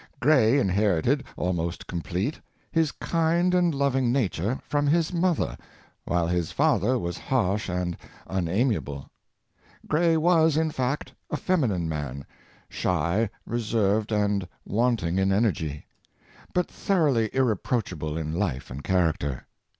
107 Goethe. Gray inherited, almost complete, his kind and loving nature from his mother, while his father was harsh and unamiable. Gray was, in fact, a feminine man — shy, reserved, and wanting in energy — but thorough ly irreproachable in life and character.